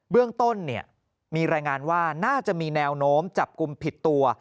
เรื่องต้นมีรายงานว่าน่าจะมีแนวโน้มจับกลุ่มผิดตัว